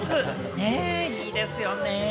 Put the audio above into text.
ねぇ、いいですよね！